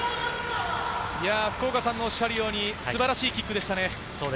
福岡さんのおっしゃるように素晴らしいキックでしたね。